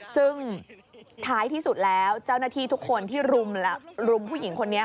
ซึ่งท้ายที่สุดแล้วเจ้าหน้าที่ทุกคนที่รุมผู้หญิงคนนี้